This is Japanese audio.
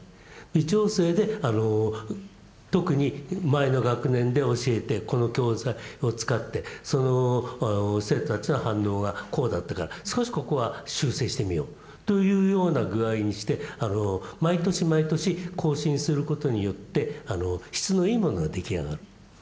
微調整で特に前の学年で教えてこの教材を使って生徒たちの反応がこうだったから少しここは修正してみようというような具合にして毎年毎年更新することによって質のいいものが出来上がる。